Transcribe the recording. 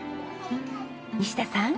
西田さん。